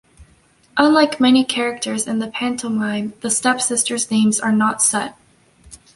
Unlike many characters in the pantomime, the stepsisters' names are not set.